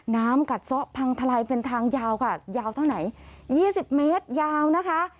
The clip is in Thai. กัดซะพังทลายเป็นทางยาวค่ะยาวเท่าไหน๒๐เมตรยาวนะคะ